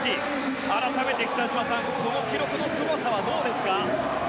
改めて、北島さんこの記録のすごさ、どうですか？